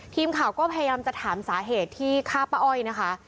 ทีมข่าวก็พยายามจะถามสาเหตุที่ฆ่าป้าอ้อยนะคะ